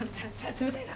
冷たいな！